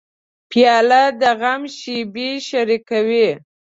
پیاله د غم شېبې شریکوي.